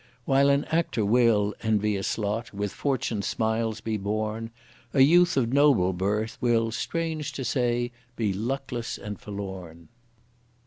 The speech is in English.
While an actor will, envious lot! with fortune's smiles be born, A youth of noble birth will, strange to say, be luckless and forlorn.